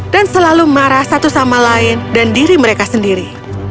dan selalu marah satu sama lain dan diri mereka sendiri